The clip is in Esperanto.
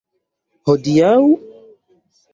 Hodiaŭ!?